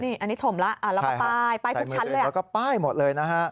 นี่อันนี้ถมละเราก็ป้ายทุกชั้นเลย